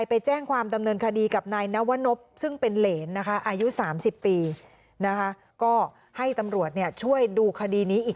ผมค่อนข้างเรียนมาอ่านเพราะว่าผมก็คือประกาศสักครั้งจากเขาแล้วว่าจะไม่ยุ่งเกียรติ